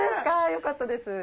よかったです。